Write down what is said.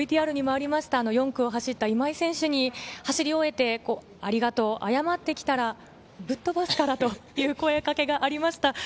４区を走った今井選手に走り終えて、「ありがとう、謝ってきたらぶっ飛ばすから」という声かけがありました。